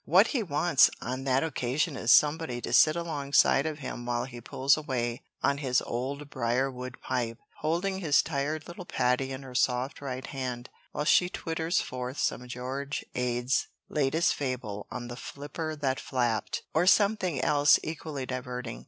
What he wants on that occasion is somebody to sit alongside of him while he pulls away on his old briarwood pipe, holding his tired little paddy in her soft right hand, while she twitters forth George Ade's latest Fable on 'The Flipper that Flapped', or something else equally diverting.